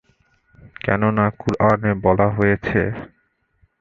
কেননা কুরআনে বলা হয়েছে,